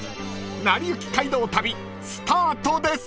［『なりゆき街道旅』スタートです］